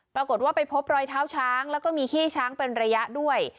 ปรากฏว่าไปพบรอยเท้าช้างแล้วก็มีขี้ช้างเป็นระยะด้วย